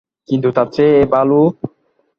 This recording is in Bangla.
কিন্তু তার চেয়ে এই ভালো।